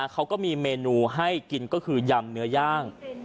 เขาก็มีเมนูให้กินก็คือยำเนื้อย่าง